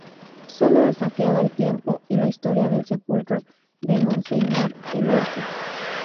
Solo desafiaba el tiempo y la historia del sepulcro de monseñor Elorza.